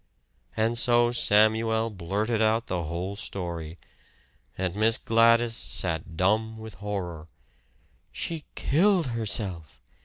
And so Samuel blurted out the whole story. And Miss Gladys sat dumb with horror. "She killed herself!